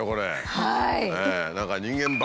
はい！